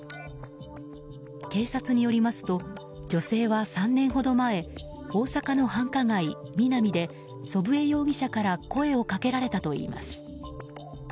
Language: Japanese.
警察によりますと女性は３年ほど前大阪の繁華街ミナミで祖父江容疑者から声をかけられたといいます。